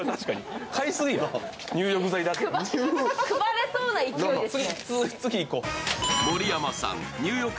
配れそうな勢いですね。